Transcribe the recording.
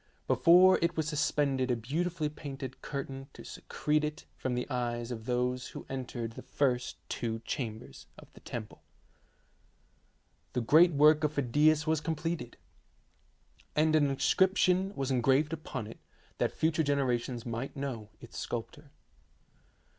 Before it was sus pended a beautifully painted curtain to secrete it from the eyes of those who entered the first two chambers of the temple. The great work of Phidias was completed, and 92 THE SEVEN WONDERS an inscription was engraved upon it that future generations might know its sculptor.